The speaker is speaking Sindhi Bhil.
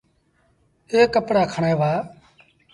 اي ڪپڙآ کڻي وهآ۔